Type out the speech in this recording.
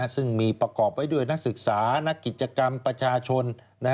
ซึ่งมีประกอบไว้ด้วยนักศึกษานักกิจกรรมประชาชน